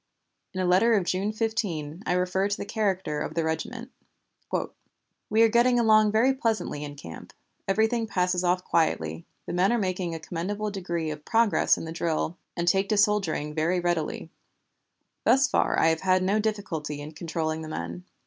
In a letter of June 15 I refer to the character of the regiment: "We are getting along very pleasantly in camp; everything passes off quietly; the men are making a commendable degree of progress in the drill, and take to soldiering very readily. Thus far I have had no difficulty in controlling the men.